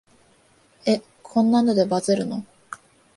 え、こんなのでバズるの？